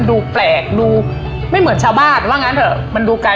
ดูแปลกดูไม่เหมือนชาวบ้านว่างั้นเถอะมันดูไกล